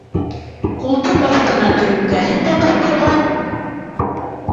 Ҡултыҡ аҫтына төрөпкәһен дә ҡыҫтырған.